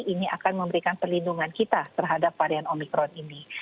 ini akan memberikan perlindungan kita terhadap varian omikron ini